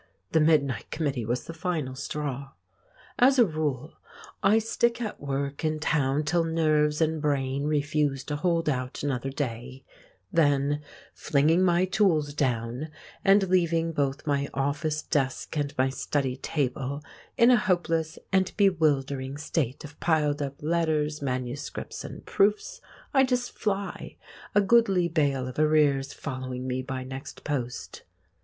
The midnight committee was the final straw. As a rule, I stick at work in town till nerves and brain refuse to hold out another day; then, flinging my tools down, and leaving both my office desk and my study table in a hopeless and bewildering state of piled up letters, MSS. and proofs, I just fly—a goodly bale of arrears following me by next post.